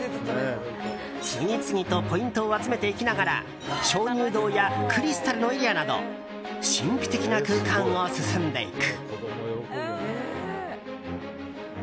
次々とポイントを集めていきながら鍾乳洞やクリスタルのエリアなど神秘的な空間を進んでいく。